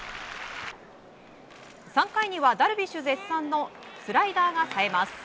３回には、ダルビッシュ絶賛のスライダーが冴えます。